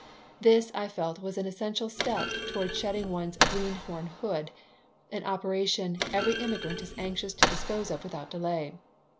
This, I felt, was an essential step toward shedding one's "greenhornhood," an operation every immigrant is anxious to dispose of without delay.